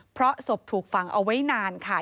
เพราะศพถูกฝังเอาไว้นานค่ะ